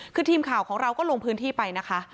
คือทีมข่าวของเราก็ลงพื้นที่ไปนะคะ